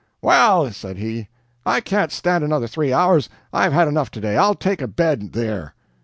"Well," said he, "I can't stand another three hours, I've had enough today; I'll take a bed there."